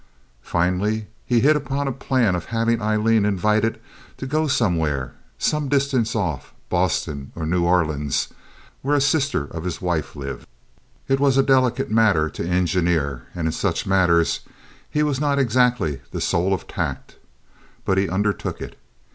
Finally he hit upon the plan of having Aileen invited to go somewhere some distance off—Boston or New Orleans, where a sister of his wife lived. It was a delicate matter to engineer, and in such matters he was not exactly the soul of tact; but he undertook it.